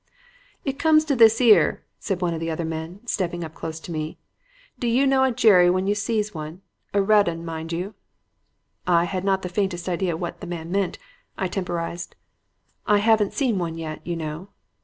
"'It comes to this 'ere,' said one of the other men, stepping up close to me. 'Do you know a jerry when you sees one a red 'un, mind you?' "As I had not the faintest idea what the man meant, I temporized. "'I haven't seen one yet, you know.'